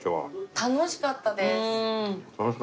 楽しかったですか？